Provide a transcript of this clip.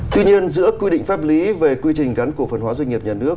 tuy nhiên giữa quy định pháp lý về quy trình gắn cổ phần hóa doanh nghiệp nhà nước